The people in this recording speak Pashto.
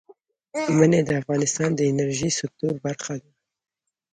منی د افغانستان د انرژۍ سکتور برخه ده.